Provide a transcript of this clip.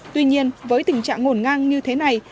tuy nhiên với tình trạng ngổn ngang như thế này